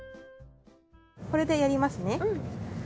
これでやりますね。